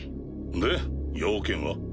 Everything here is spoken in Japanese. で用件は？